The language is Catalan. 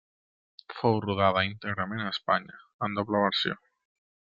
Fou rodada íntegrament a Espanya en doble versió.